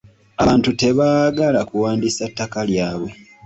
Abantu tebagaala kuwandiisa ttaka lyabwe.